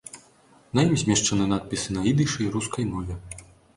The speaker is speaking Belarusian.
На ім змешчаны надпісы на ідышы і рускай мове.